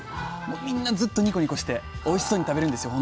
もうみんなずっとニコニコしておいしそうに食べるんですよ